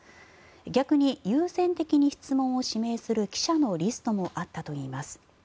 逆に優先的に質問を指名する記者のリストもあったといいます。